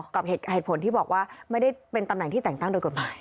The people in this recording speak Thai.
กับเหตุผลที่บอกว่าไม่ได้เป็นตำแหน่งที่แต่งตั้งโดยกฎหมาย